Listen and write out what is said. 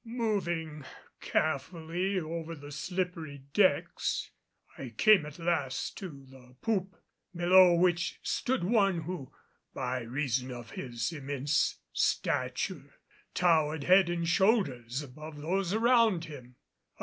Moving carefully over the slippery decks, I came at last to the poop, below which stood one who, by reason of his immense stature, towered head and shoulders above those around him.